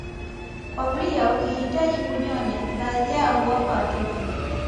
kwa kulia wakihitaji kunyonya baadhi yao huwapa watoto